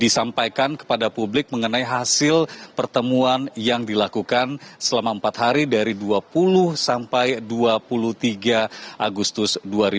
disampaikan kepada publik mengenai hasil pertemuan yang dilakukan selama empat hari dari dua puluh sampai dua puluh tiga agustus dua ribu dua puluh